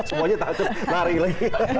semuanya takut lari lagi